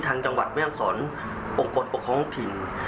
จังหวัดแม่ห้องศรองค์กรปกครองถิ่น